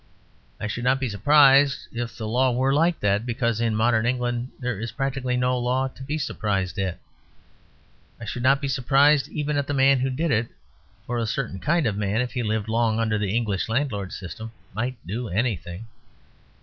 I should not be surprised if the law were like that; because in modern England there is practically no law to be surprised at. I should not be surprised even at the man who did it; for a certain kind of man, if he lived long under the English landlord system, might do anything.